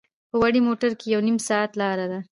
په وړې موټر کې یو نیم ساعت لاره ده.